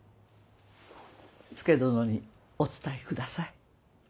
佐殿にお伝えください。